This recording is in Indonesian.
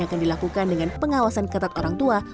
akan dilakukan dengan pengawasan ketat orang tua